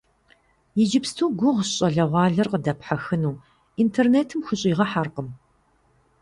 Иджыпсту гугъущ щӏалэгъуалэр къыдэпхьэхыну, интернетым хущӀигъэхьэркъым.